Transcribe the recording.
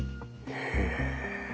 へえ。